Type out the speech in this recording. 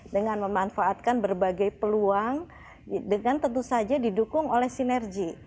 dengan memanfaatkan berbagai peluang dengan tentu saja didukung oleh sinergi